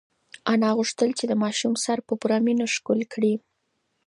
انا غوښتل چې د ماشوم سر په پوره مینه ښکل کړي.